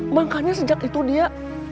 makanya sejak itu dia